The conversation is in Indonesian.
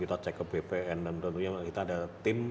kita cek ke bpn dan tentunya kita ada tim